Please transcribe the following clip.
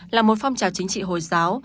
là một phong trào chính trị hồi giáo